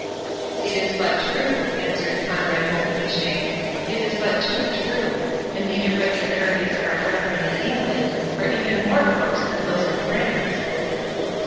"It is but true," answered Conrade Mont Fitchet; "it is but too true; and the irregularities of our brethren in England are even more gross than those in France."